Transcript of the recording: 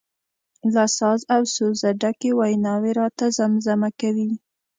له ساز او سوزه ډکې ویناوي راته زمزمه کوي.